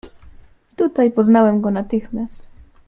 "Tutaj poznałem go natychmiast."